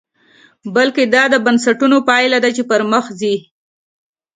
بلکې دا د بنسټونو پایله ده چې پرمخ ځي.